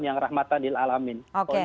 yang rahmatanil alamin